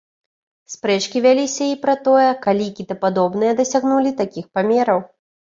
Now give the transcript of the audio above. Спрэчкі вяліся і пра тое, калі кітападобныя дасягнулі такіх памераў.